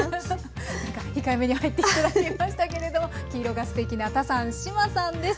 なんか控えめに入って頂きましたけれども黄色がすてきなタサン志麻さんです。